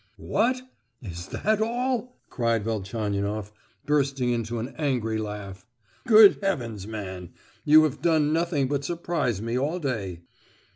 "What! is that all?" cried Velchaninoff, bursting into an angry laugh; "good heavens, man, you have done nothing but surprise me all day."